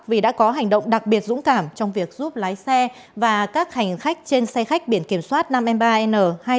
vì đã có hành động đặc biệt dũng cảm trong việc giúp lái xe và các hành khách trên xe khách biển kiểm soát năm m ba n hai nghìn tám trăm hai mươi bốn